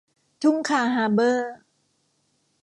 ทุ่งคาฮาเบอร์